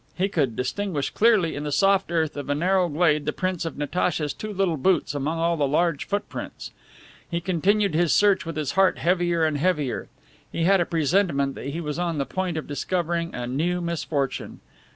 He could distinguish clearly in the soft earth of a narrow glade the prints of Natacha's two little boots among all the large footprints. He continued his search with his heart heavier and heavier, he had a presentiment that he was on the point of discovering a new misfortune.